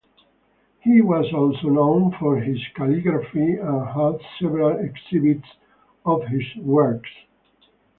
He was also known for his calligraphy and had several exhibits of his works.